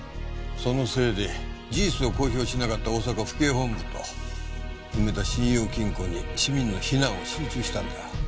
そのせいで事実を公表しなかった大阪府警本部と梅田信用金庫に市民の非難は集中したんだ。